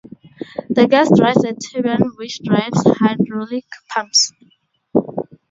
The gas drives a turbine which drives hydraulic pumps.